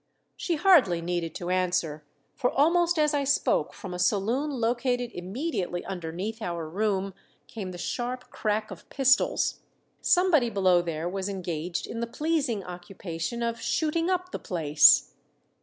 She hardly needed to answer; for almost as I spoke from a saloon located immediately underneath our room came the sharp crack of pistols. Somebody below there was engaged in the pleasing occupation of "shooting up" the place.